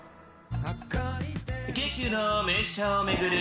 京急の名車を巡る